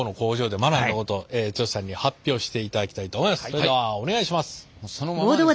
それではお願いします。